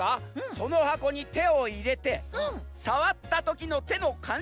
そのはこにてをいれてさわったときのてのかん